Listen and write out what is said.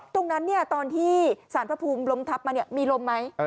ตรงนั้นตอนที่ศาสตร์พระภูมิล้มทับมามีลมไหม